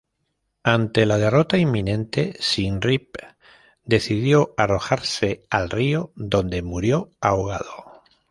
Ante la derrota inminente, Sin Rip decidió arrojarse al río donde murió ahogado.